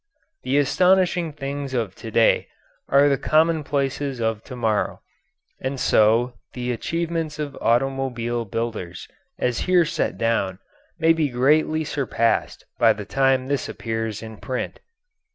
The astonishing things of to day are the commonplaces of to morrow, and so the achievements of automobile builders as here set down may be greatly surpassed by the time this appears in print.